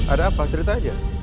ada apa cerita aja